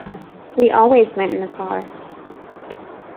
We always went in a car!